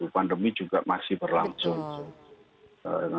pandemi juga masih berlangsung